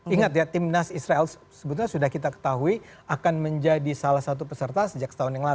ingat ya timnas israel sebetulnya sudah kita ketahui akan menjadi salah satu peserta sejak setahun yang lalu